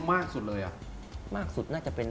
มากสุดเลยอ่ะมากสุดน่าจะเป็น